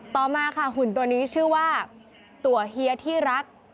ต่อมาค่ะหุ่นตัวนี้ชื่อว่าตัวเฮียที่รัก